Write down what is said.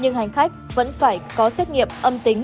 nhưng hành khách vẫn phải có xét nghiệm âm tính